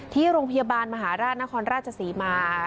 ที่โรงพยาบาลมหาราชนครราชศรีมา